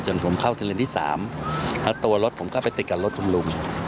ผมเข้าทะเลที่๓แล้วตัวรถผมก็ไปติดกับรถคุณลุง